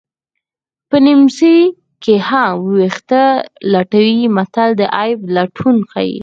په نیمڅي کې هم ویښته لټوي متل د عیب لټون ښيي